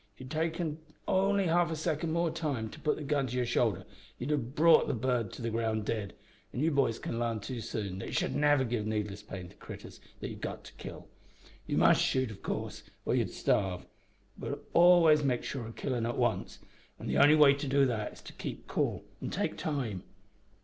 If you had taken only half a second more time to put the gun to your shoulder, you'd have brought the bird to the ground dead; and you boys can't larn too soon that you should never give needless pain to critters that you've got to kill. You must shoot, of course, or you'd starve; but always make sure of killin' at once, an' the only way to do that is to keep cool an' take time.